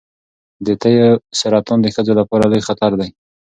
د تیو سرطان د ښځو لپاره لوی خطر دی.